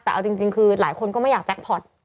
แต่เอาจริงคือหลายคนก็ไม่อยากแจ็คพอร์ต